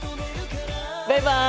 バイバイ！